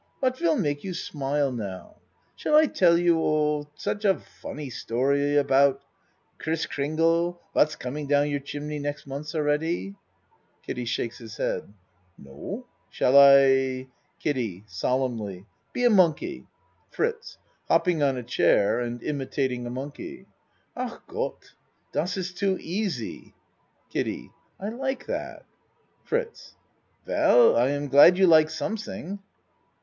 Wat will make you smile now? Shall I tell you oh such a funny story aboud Chris Kringle, wat's coming down your chimney next month al ready? (Kiddie shakes his head.) No? shall I KIDDIE (Solemnly.) Be a monkey. FRITZ (Hopping on a chair and imitating a monkey.) Ach Gott! Dot iss too easy. KIDDIE I like that. FRITZ Well I am glad you like something.